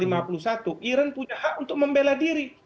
iran punya hak untuk membela diri